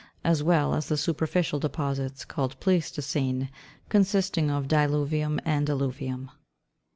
as well as the super ficial deposits, called Pleistocene, consisting of diluvium and alluvium.